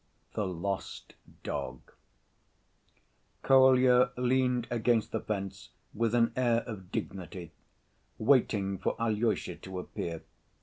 The Lost Dog Kolya leaned against the fence with an air of dignity, waiting for Alyosha to appear.